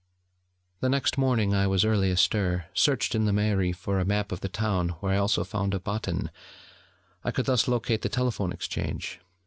The next morning I was early astir, searched in the mairie for a map of the town, where I also found a Bottin: I could thus locate the Telephone Exchange.